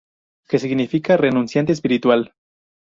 Que significa "Renunciante espiritual".